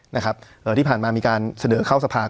เอ่อที่ผ่านมามีการเสนอเข้าสภา